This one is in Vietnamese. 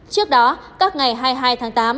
trước đó các ngày hai mươi hai tháng tám